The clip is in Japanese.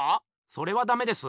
それはダメです。